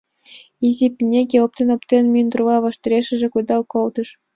Изи пинеге оптен-оптен мундырала ваштарешыже кудал колтыш.